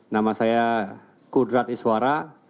nama saya kudrat iswara